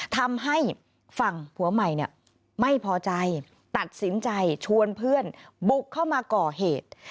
ทำให้ฝั่งผัวใหม่เนี่ยไม่พอใจตัดสินใจชวนเพื่อนบุกเข้ามาก่อเหตุ